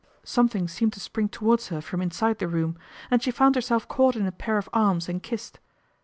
Something seemed to spring towards her from inside the room, and she found herself caught in a pair of arms and kissed.